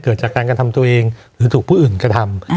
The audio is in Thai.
เกิดจากการกระทำตัวเองหรือถูกผู้อื่นกระทำ